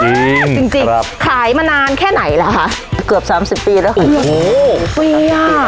จริงจริงครับขายมานานแค่ใหนแหละคะเกือบสามสิบปีแล้วโอ้โหอุ้ย